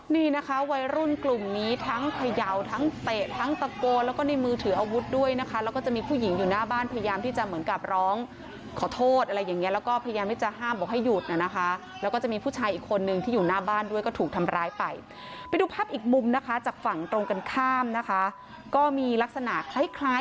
นี่นะคะวัยรุ่นกลุ่มนี้ทั้งเขย่าทั้งเตะทั้งตะโกนแล้วก็ในมือถืออาวุธด้วยนะคะแล้วก็จะมีผู้หญิงอยู่หน้าบ้านพยายามที่จะเหมือนกับร้องขอโทษอะไรอย่างเงี้แล้วก็พยายามที่จะห้ามบอกให้หยุดน่ะนะคะแล้วก็จะมีผู้ชายอีกคนนึงที่อยู่หน้าบ้านด้วยก็ถูกทำร้ายไปไปดูภาพอีกมุมนะคะจากฝั่งตรงกันข้ามนะคะก็มีลักษณะคล้ายคล้าย